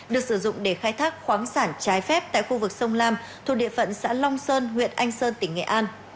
được sử dụng để khai thác khoáng sản trái phép tại khu vực sông lam thuộc địa phận xã long sơn huyện anh sơn tỉnh nghệ an